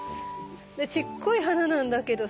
でちっこい花なんだけどさ。